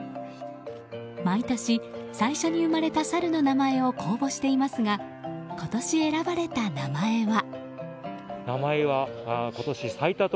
毎年、最初に生まれた猿の名前を公募していますが今年選ばれた名前は。